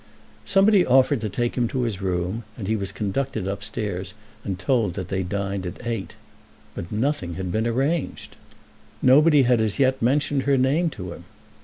Somebody offered to take him to his room, and he was conducted upstairs, and told that they dined at eight, but nothing had been arranged. Nobody had as yet mentioned her name to him.